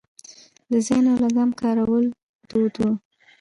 د زین او لګام کارول دود و